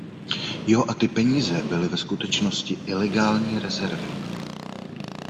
Jo, a ty peníze byly ve skutečnosti ilegální rezervy